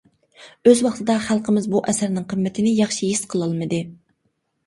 ئۆز ۋاقتىدا خەلقىمىز بۇ ئەسەرنىڭ قىممىتىنى ياخشى ھېس قىلالمىدى.